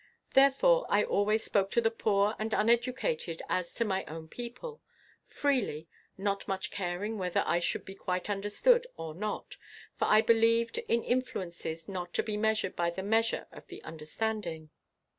Therefore I always spoke to the poor and uneducated as to my own people, freely, not much caring whether I should be quite understood or not; for I believed in influences not to be measured by the measure of the understanding.